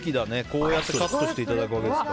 こうやってカットしていただくと。